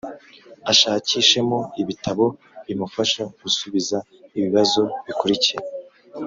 ashakishemo ibitabo bimufasha gusubiza ibibazo bikurikira.